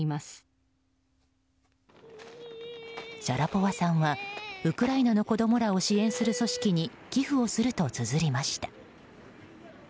シャラポワさんはウクライナの子供らを支援する組織に寄付をするとつづりました。